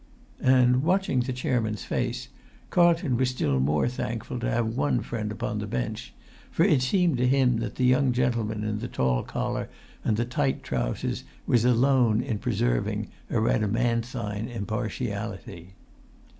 And, watching the chairman's face, Carlton was still more thankful to have one friend upon the bench; for it seemed to him that the young gentleman in the tall collar and the tight trousers was alone in preserving a Rhadamanthine impartiality.